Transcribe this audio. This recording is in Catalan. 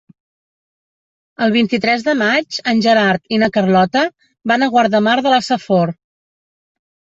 El vint-i-tres de maig en Gerard i na Carlota van a Guardamar de la Safor.